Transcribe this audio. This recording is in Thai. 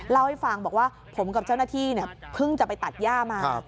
เล่าให้ฟังบอกว่าผมกับเจ้าหน้าที่เพิ่งจะไปตัดย่ามา